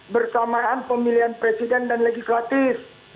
bersamaan pemilihan presiden dan legislatif